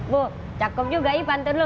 bu cakep juga i pantun lo